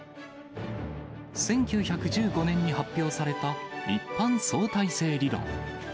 １９１５年に発表された一般相対性理論。